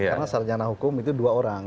karena sarjana hukum itu dua orang